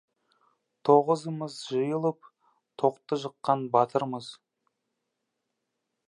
Тоғызымыз жиылып, тоқты жыққан батырмыз.